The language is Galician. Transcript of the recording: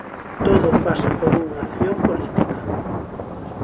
Todo pasa por unha acción política.